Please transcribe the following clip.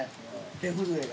手震えが。